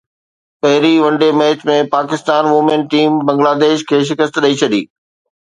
پهرين one day match ۾ Pakistan women team Bangladesh کي شڪست ڏئي ڇڏي